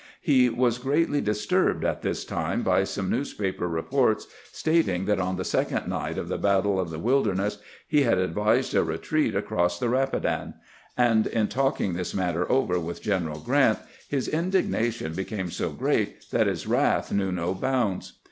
He was greatly disturbed at this time by some newspaper reports stating that on the second night of the battle of the WUderness he had advised a retreat across the DEALING WITH A LIBELEE OF THE PRESS 191 Rapidan ; and in talking this matter over with Greneral Grrant, his indignation became so great that his wrath knew no bounds.